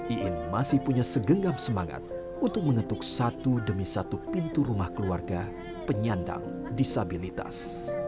iin masih punya segenggam semangat untuk mengetuk satu demi satu pintu rumah keluarga penyandang disabilitas